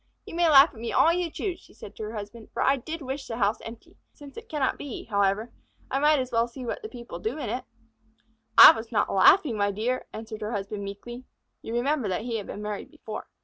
"You may laugh at me all you choose," said she to her husband, "for I did wish the house empty. Since it cannot be, however, I might as well see what the people in it do." "I was not laughing, my dear," answered her husband meekly (you remember that he had been married before).